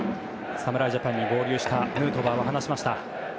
侍ジャパンに合流したヌートバーは話しました。